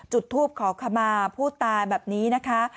จุดทูปขอขมาผู้ตายแบบนี้นะคะ